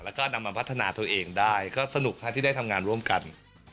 แล้วก็นำมาพัฒนาตัวเองได้ก็สนุกที่ได้ทำงานร่วมกัน